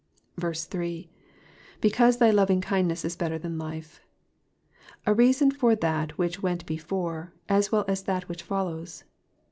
3. ^^ Because thy lovinghindness is letter than life,'''* A reason for that which went before, as well as for that which follows.